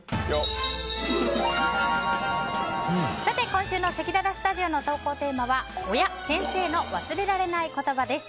今週のせきららスタジオの投稿テーマは親・先生の忘れられない言葉です。